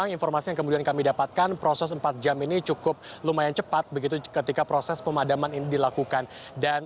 informasi yang kami dapatkan proses empat jam ini cukup cepat ketika proses pemadaman dilakukan